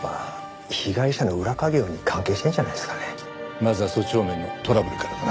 まずはそっち方面のトラブルからだな。